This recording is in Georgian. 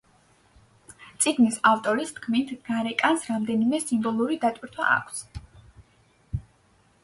წიგნის ავტორის თქმით, გარეკანს რამდენიმე სიმბოლური დატვირთვა აქვს.